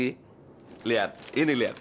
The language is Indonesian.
yardi lihat ini lihat